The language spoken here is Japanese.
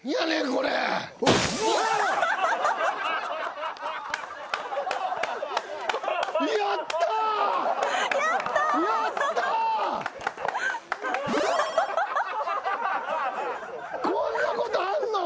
こんなことあんの？